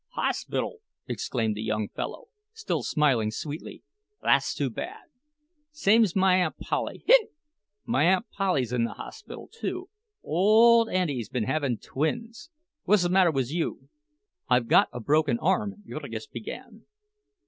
"Hospital!" exclaimed the young fellow, still smiling sweetly, "thass too bad! Same's my Aunt Polly—hic—my Aunt Polly's in the hospital, too—ole auntie's been havin' twins! Whuzzamatter whiz you?" "I've got a broken arm—" Jurgis began.